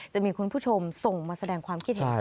จะมีคุณผู้ชมส่งมาแสดงความคิดเห็น